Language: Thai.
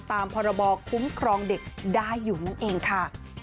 ตามพรบคุ้มครองเด็กได้อยู่นั่นเองค่ะ